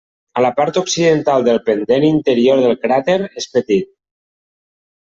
A la part occidental del pendent interior del cràter és petit.